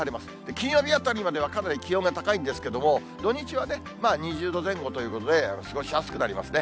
金曜日あたりまではかなり気温が高いんですけれども、土日は２０度前後ということで、過ごしやすくなりますね。